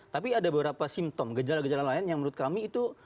tapi ada beberapa simptom gejala gejala lain yang menurut kami itu